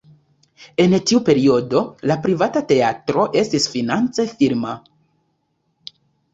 En tiu periodo la privata teatro estis finance firma.